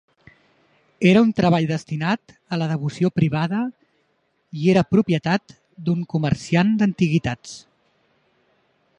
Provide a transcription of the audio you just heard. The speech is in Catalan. Era un treball destinat a la devoció privada i era propietat d'un comerciant d'antiguitats.